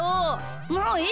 もういい！